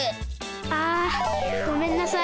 あごめんなさい。